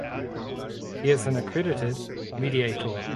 He is an accredited mediator.